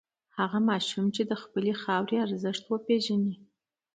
هغه ماشوم چې د خپلې خاورې ارزښت وپېژني.